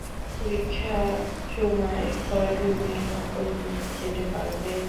পরীক্ষা সময় হলরুমে নকল নিয়ে যেতে পারবে!